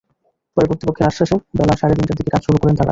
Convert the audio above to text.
পরে কর্তৃপক্ষের আশ্বাসে বেলা সাড়ে তিনটার দিকে কাজ শুরু করেন তাঁরা।